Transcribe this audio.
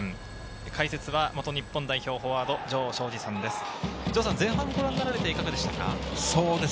解説は元日本代表フォワード・城彰二さんです。